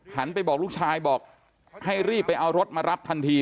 ไปบอกลูกชายบอกให้รีบไปเอารถมารับทันที